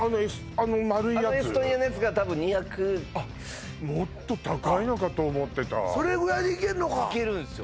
あのエストニアのやつが多分２００あっもっと高いのかと思ってたそれぐらいでいけんのかいけるんですよ